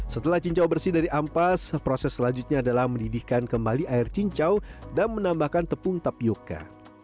setelah cincau bersih dari ampas proses selanjutnya adalah mendidihkan kembali air cincau dan menambahkan tepung tapioca